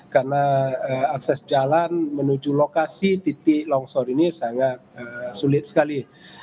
karena akses jalan menuju lokasi titik longsor ini sangat sulit sekali